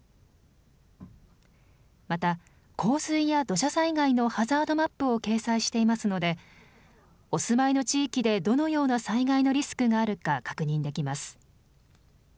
また、洪水や土砂災害のハザードマップを掲載していますのでお住まいの地域でどのような災害のリスクがあるか確認できます。